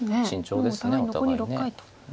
もうお互い残り６回と。